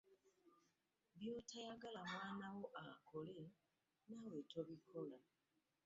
Byotayagala mwana wo akole naawe tobikola.